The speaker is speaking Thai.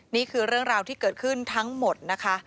นี่คือเรื่องราวที่เกิดขึ้นทั้งหมดนะคะ